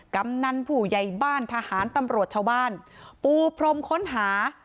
กำนันผู้ใหญ่บ้านทหารตำรวจชาวบ้านปูพรมค้นหา